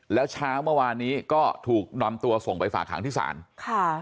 แล้วเช้าเมื่อวานนี้ก็ถูกนำตัวส่งไปฝากหางที่ศาลค่ะ